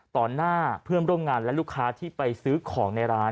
หน้าเพื่อนร่วมงานและลูกค้าที่ไปซื้อของในร้าน